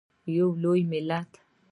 یو لوی ملت.